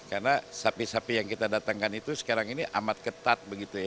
karena sapi sapi yang kita datangkan itu sekarang ini amat ketat begitu ya